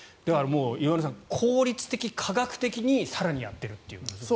岩村さん、効率的・科学的に更にやっていると。